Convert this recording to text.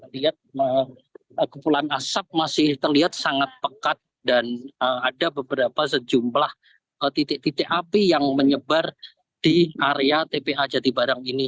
lihat kepulan asap masih terlihat sangat pekat dan ada beberapa sejumlah titik titik api yang menyebar di area tpa jatibarang ini